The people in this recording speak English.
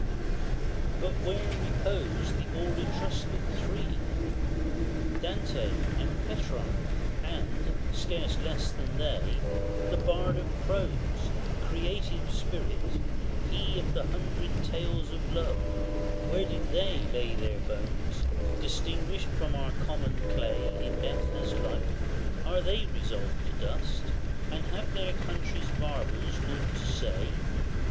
LVI. But where repose the all Etruscan three Dante, and Petrarch, and, scarce less than they, The Bard of Prose, creative spirit! he Of the Hundred Tales of love where did they lay Their bones, distinguished from our common clay In death as life? Are they resolved to dust, And have their country's marbles nought to say?